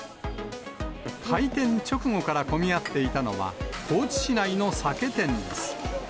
開店直後から混み合っていたのは、高知市内の酒店です。